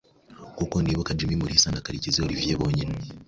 Kuko nibuka jimmy mulisa na karekezi Olivier bonyine